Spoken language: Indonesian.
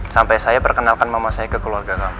sampai saya perkenalkan mama saya ke keluarga kami